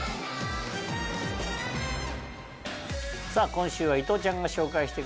今週は伊藤ちゃんが紹介してくれます。